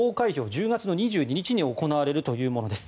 １０月２２日に行われるというものです。